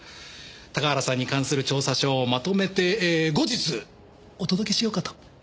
高原さんに関する調査書をまとめて後日お届けしようかと。